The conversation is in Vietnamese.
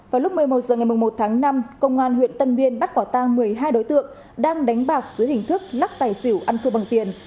vào lúc một mươi một h ngày một tháng năm công an huyện tân biên bắt quả tang một mươi hai đối tượng đang đánh bạc dưới hình thức lắc tài xỉu ăn thua bằng tiền